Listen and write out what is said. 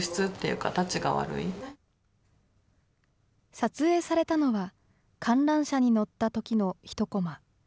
撮影されたのは、観覧車に乗ったときの１コマ。